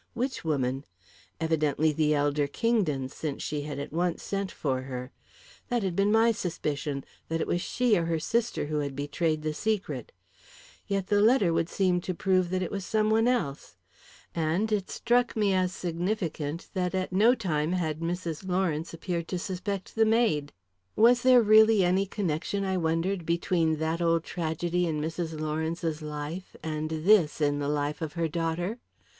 Which woman? Evidently the elder Kingdon, since she had at once sent for her. That had been my suspicion that it was she or her sister who had betrayed the secret. Yet the letter would seem to prove that it was some one else. And it struck me as significant that at no time had Mrs. Lawrence appeared to suspect the maid. Was there really any connection, I wondered, between that old tragedy in Mrs. Lawrence's life and this in the life of her daughter?